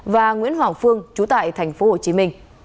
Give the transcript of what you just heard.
và nguyễn hoàng phương chú tại tp hcm